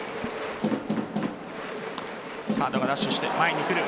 サードがダッシュして前に来る。